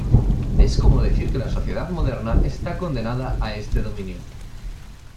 Es como decir que la sociedad moderna está condenada a este dominio.